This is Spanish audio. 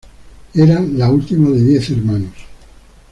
Era la última de diez hermanos.